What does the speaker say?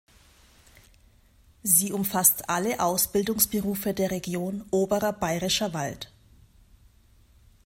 Sie umfasst alle Ausbildungsberufe der Region Oberer Bayerischer Wald.